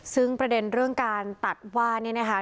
ซึ่งประเด็นเรื่องการตัดว่าเนี่ยนะคะ